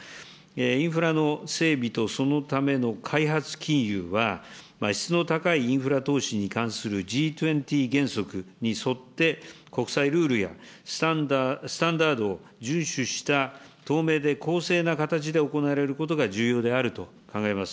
インフラの整備とそのための開発金融は、質の高いインフラ投資に関するＧ２０原則に沿って、国際ルールやスタンダードを順守した透明で公正な形で行われることが重要であると考えます。